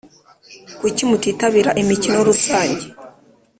Kuki mutitabira imikono rusange